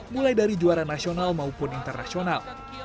mulai dari juara nasional maupun internasional